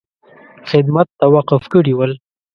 خدمت ته وقف کړي ول.